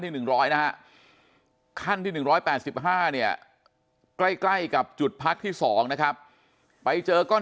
๑๐๐นะฮะขั้นที่๑๘๕เนี่ยใกล้ใกล้กับจุดพักที่๒นะครับไปเจอก้อน